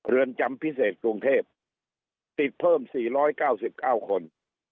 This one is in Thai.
เรือนจำพิเศษกรุงเทพติดเพิ่มสี่ร้อยเก้าสิบเก้าคน